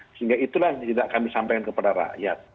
sehingga itulah yang tidak kami sampaikan kepada rakyat